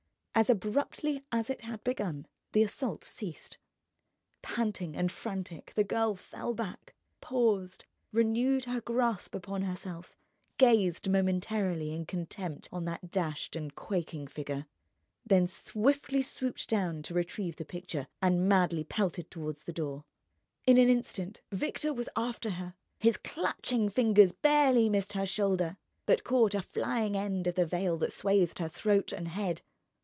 As abruptly as it had begun, the assault ceased. Panting and frantic, the girl fell back, paused, renewed her grasp upon herself, gazed momentarily in contempt on that dashed and quaking figure, then swiftly swooped down to retrieve the picture, and madly pelted toward the door. In an instant, Victor was after her. His clutching fingers barely missed her shoulder but caught a flying end of the veil that swathed her throat and head.